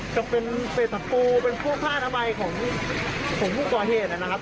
จะเป็นเศษตะปูเป็นพวกผ้าอนามัยของผู้ก่อเหตุนะครับ